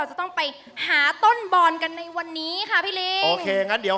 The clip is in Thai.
ใช่นะก็ต้องใช้ทั้งหมดเลย